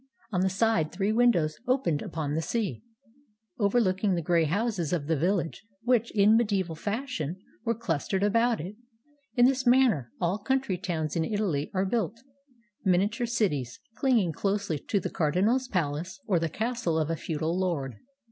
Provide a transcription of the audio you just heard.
On the side three windows opened upon the sea, overlooking the gray houses of the village which, in mediaeval fashion, were clustered about it. In this manner all country I3S ITALY towns in Italy are built; miniature cities, clinging closely to the cardinal's palace or the castle of a feudal lord.